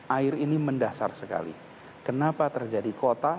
air ini mendasar sekali kenapa terjadi kota